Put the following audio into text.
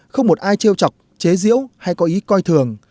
không một ai treo chọc chế diễu hay có ý coi thường